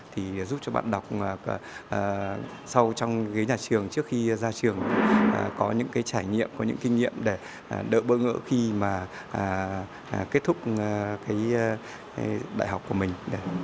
thì giúp cho bạn đọc sâu trong ghế nhà trường trước khi ra trường có những trải nghiệm có những kinh nghiệm để đỡ bơ ngỡ khi mà kết thúc đại học của mình